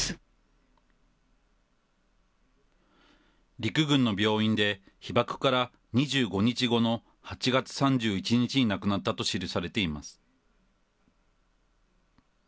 陸軍の病院で、被爆から２５日後の８月３１日に亡くなったと記されています。